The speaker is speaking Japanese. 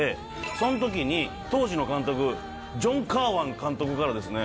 その時に当時の監督ジョン・カーワン監督からですね